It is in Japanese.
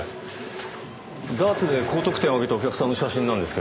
ダーツで高得点を上げたお客さんの写真なんですけどね。